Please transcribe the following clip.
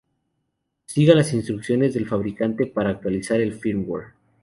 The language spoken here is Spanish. Siga las instrucciones del fabricante para actualizar el "firmware".